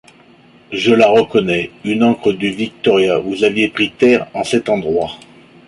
Je la reconnais ! une ancre du Victoria ! vous aviez pris terre en cet endroit !